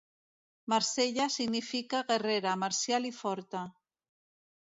Marcella significa guerrera, marcial i forta.